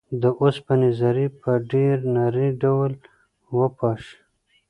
د اوسپنې ذرې په ډیر نري ډول وپاشئ.